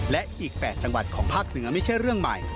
และอีก๘จังหวัดของภาคเหนือไม่ใช่เรื่องใหม่